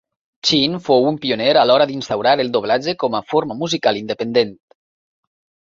Chin fou un pioner a l'hora d'instaurar el doblatge com a forma musical independent.